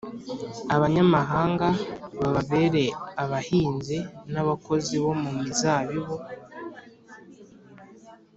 abanyamahanga bababere abahinzi n’abakozi bo mu mizabibu.